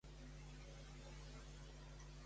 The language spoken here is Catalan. A què es dedica Íngrid Rubio?